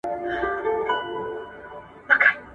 دا قلم له هغه ښه دی!.